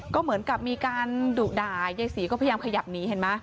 ก็เหมือนกับมีการดุด่ายายศรีก็พยายามขยับหนีเห็นไหม